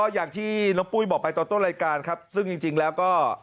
อย่างที่น้องปุ้ยบอกไปตอนต้นรายการครับซึ่งจริงแล้วก็